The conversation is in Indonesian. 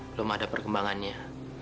belum ada perkembangannya